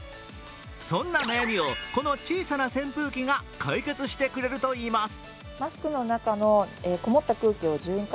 そんな悩みをこの小さな扇風機が解決してくれるといいます。